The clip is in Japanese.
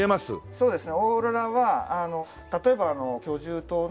そうですね。